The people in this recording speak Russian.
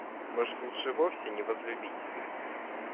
Может, лучше вовсе не возлюбить?